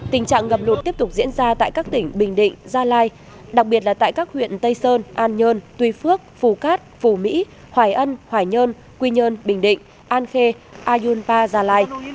tình trạng ngập lụt tiếp tục diễn ra tại các tỉnh bình định gia lai đặc biệt là tại các huyện tây sơn an nhơn tuy phước phù cát phù mỹ hoài ân hoài nhơn quy nhơn bình định an khê ayunpa gia lai